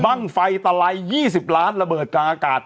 มั่งไฟตะไลยี่สิบล้านระเบิดจากอากาศ